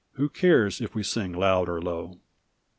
Who cares if we sing loud or low?"